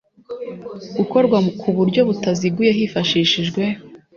gukorwa ku buryo butaziguye hifashishijwe